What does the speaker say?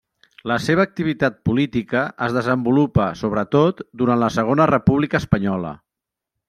La seva activitat política es desenvolupa sobretot durant la Segona República Espanyola.